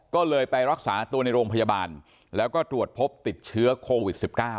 ก็เลยไปรักษาตัวในโรงพยาบาลแล้วก็ตรวจพบติดเชื้อโควิด๑๙